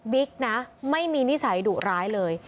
นะไม่มีนิสัยดุร้ายเลย